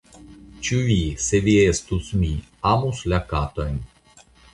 Ĉu vi, se vi estus mi, amus la katojn?